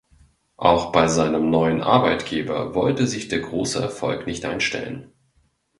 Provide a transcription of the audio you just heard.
Auch bei seinem neuen Arbeitgeber wollte sich der große Erfolg nicht einstellen.